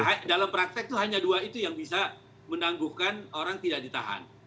jadi dalam praktek itu hanya dua itu yang bisa menangguhkan orang tidak ditahan